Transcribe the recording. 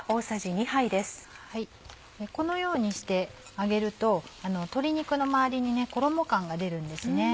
このようにして揚げると鶏肉の周りに衣感が出るんですね。